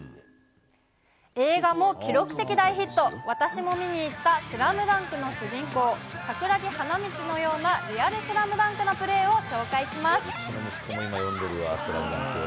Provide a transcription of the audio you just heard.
映画も記録的大ヒット、私も見に行った、スラムダンクの主人公、桜木花道のようなリアルスラムダンクなプレーを紹介します。